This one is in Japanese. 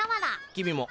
君も。